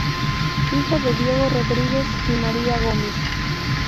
Hijo de Diego Rodríguez y María Gómez.